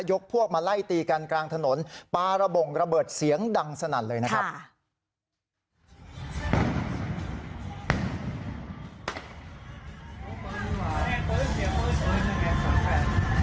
พวกมาไล่ตีกันกลางถนนปาระบงระเบิดเสียงดังสนั่นเลยนะครับ